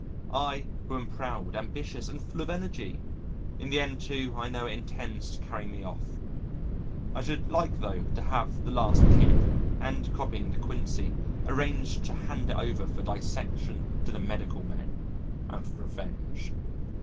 I who am proud, ambitious, and full of energy! In the end, too, I know it intends to carry me off.... I should like though to have the last kick and, copying De Quincey, arrange to hand it over for dissection to the medical men out of revenge.